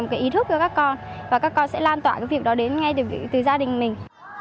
một cái ý thức cho các con và các con sẽ lan tỏa cái việc đó đến ngay từ gia đình mình